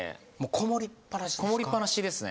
こもりっぱなしですね。